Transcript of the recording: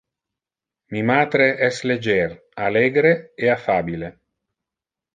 Mi matre es legier, allegre e affabile.